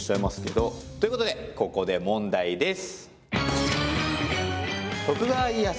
ということでここで問題です！